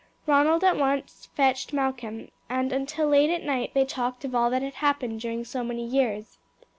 Ronald at once fetched Malcolm, and until late at night they talked of all that had happened during so many years.